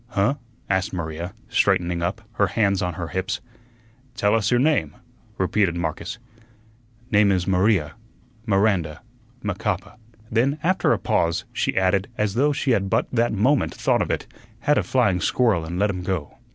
"Huh?" asked Maria, straightening up, her hands on he hips. "Tell us your name," repeated Marcus. "Name is Maria Miranda Macapa." Then, after a pause, she added, as though she had but that moment thought of it, "Had a flying squirrel an' let him go."